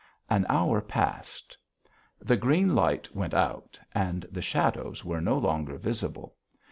An hour passed. The green light went out, and the shadows were no longer visible.